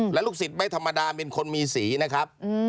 และลูกศิษย์ไม่ธรรมดาเป็นคนมีสีนะครับ